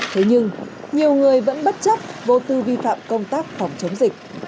thế nhưng nhiều người vẫn bất chấp vô tư vi phạm công tác phòng chống dịch